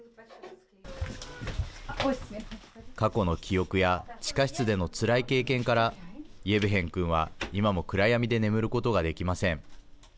過去の記憶や地下室でのつらい経験からイェブヘン君は、今も暗闇で眠ることができません。